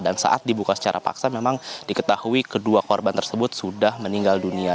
dan saat dibuka secara paksa memang diketahui kedua korban tersebut sudah meninggal dunia